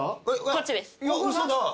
こっちです。